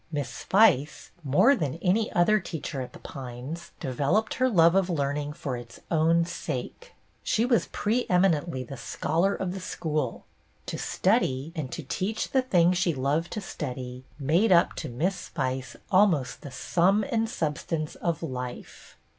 Miss Spice, more than any other teacher at The Pines, developed her love of learn ing for its own .sake. She was pre eminently the scholar of the school. To study, and to teach the thing she loved to study, made up to Miss Spice almost the sum and substance of life.